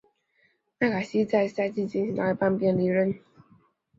麦卡锡在赛季进行到一半便离任。